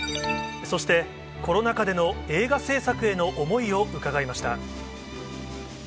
そして、コロナ禍での映画製作への思いを伺いました。